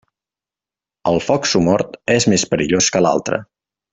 El foc somort és més perillós que l'altre.